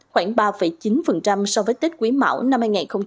khoảng ba chín so với tết quý mão năm hai nghìn hai mươi